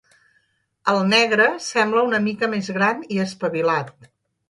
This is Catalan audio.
El negre sembla una mica més gran i espavilat.